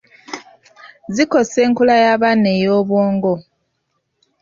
Zikosa enkula y’abaana ey’obwongo.